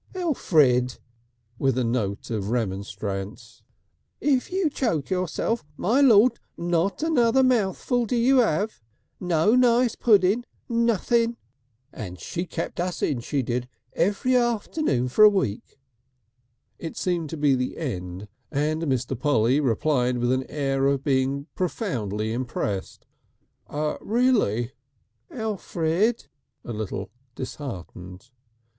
"Elfrid!" with a note of remonstrance. "If you choke yourself, my lord, not another mouthful do you 'ave. No nice puddin'! Nothing!" "And kept us in, she did, every afternoon for a week!" It seemed to be the end, and Mr. Polly replied with an air of being profoundly impressed: "Really!" "Elfrid!" a little disheartened.